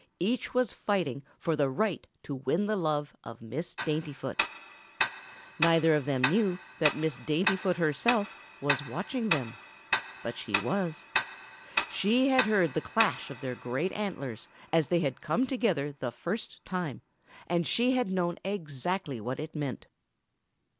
Each was fighting for the right to win the love of Miss Daintyfoot. Neither of them knew that Miss Daintyfoot herself was watching them. But she was. She had heard the clash of their great antlers as they had come together the first time, and she had known exactly what it meant.